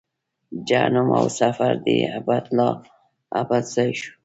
جهنم او سقر دې ابد لا ابد ځای شو.